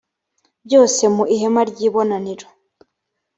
byose mu ihema ry ibonaniro